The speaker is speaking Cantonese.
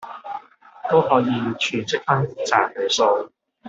都可以儲積分賺里數